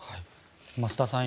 増田さん